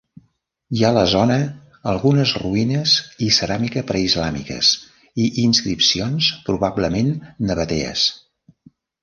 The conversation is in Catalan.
Hi ha la zona algunes ruïnes i ceràmica preislàmiques i inscripcions probablement nabatees.